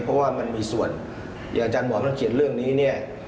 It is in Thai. เพราะว่ามันมีส่วนอย่างอาจารย์หมอมันเขียนเรื่องนี้เนี่ย